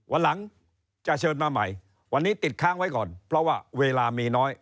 วันหลังจะเชิญมาใหม่วันนี้ติดค้างไว้ก่อนเพราะว่าเวลามีน้อย